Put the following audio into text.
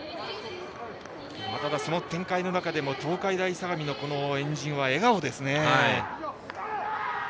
その展開の中でも東海大相模の円陣は笑顔です。